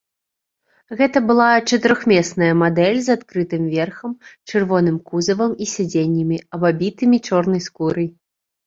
Гэта была чатырохмесная мадэль з адкрытым верхам, чырвоным кузавам і сядзеннямі, абабітымі чорнай скурай.